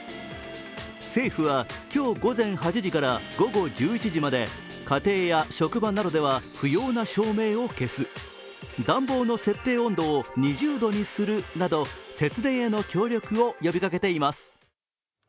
政府は今日午前８時から午後１１時まで、家庭や職場などでは不要な照明を消す暖房の設定温度を２０度にするなど節電への協力を呼びかけています。